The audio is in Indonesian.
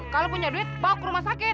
kalau punya duit bawa ke rumah sakit